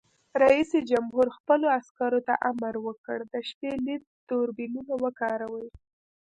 رئیس جمهور خپلو عسکرو ته امر وکړ؛ د شپې لید دوربینونه وکاروئ!